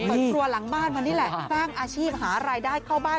เปิดครัวหลังบ้านมานี่แหละสร้างอาชีพหารายได้เข้าบ้าน